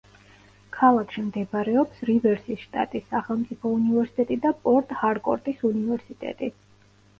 ქალაქში მდებარეობს რივერსის შტატის სახელმწიფო უნივერსიტეტი და პორტ-ჰარკორტის უნივერსიტეტი.